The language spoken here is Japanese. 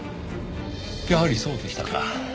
やはりそうでしたか。